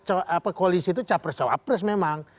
apa koalisi itu capres cowapres memang